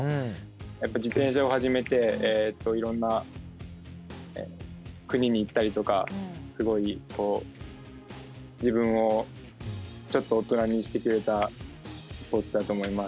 やっぱ自転車を始めていろんな国に行ったりとかすごいこう自分をちょっと大人にしてくれたスポーツだと思います。